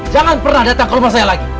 jangan pernah datang ke rumah saya lagi